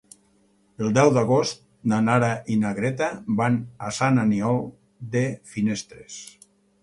El deu d'agost na Nara i na Greta van a Sant Aniol de Finestres.